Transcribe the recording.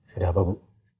sudah apa bu